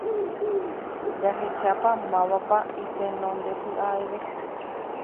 jahechápa mávapa itenondepya'eve